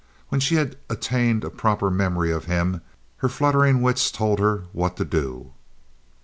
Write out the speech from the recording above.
When she had attained a proper memory of him, her fluttering wits told her what to do.